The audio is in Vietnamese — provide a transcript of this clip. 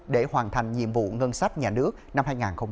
để hoàn thành nhiệm vụ ngân sách nhà nước năm hai nghìn hai mươi